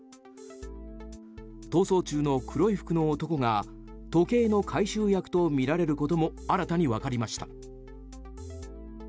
逃走中の黒い服の男が時計の回収役とみられることも新たに分かりました。